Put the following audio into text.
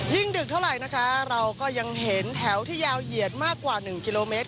ดึกเท่าไหร่นะคะเราก็ยังเห็นแถวที่ยาวเหยียดมากกว่า๑กิโลเมตร